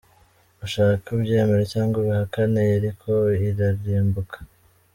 Ushake ubyemere cg ubihakane, Yeriko irarimbuka.